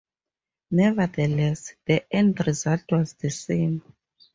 Nevertheless, the end result was the same.